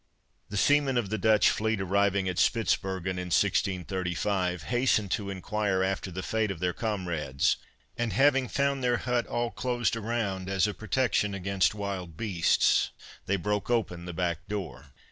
The seamen of the Dutch fleet arriving at Spitzbergen, in 1635, hastened to inquire after the fate of their comrades; and having found their hut all closed around as a protection against wild beasts, they broke open the back door.